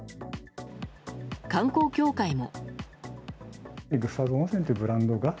観光協会も。